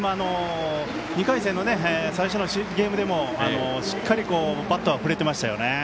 ２回戦の最初のゲームでもしっかりバットはふれてましたよ。